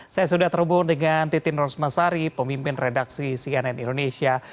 saya sudah terhubung dengan titin rosmasari pemimpin redaksi cnn indonesia